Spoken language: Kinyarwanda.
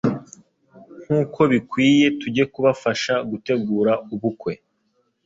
Nkuko bikwiye tujye kubafasha gutegura ubukwe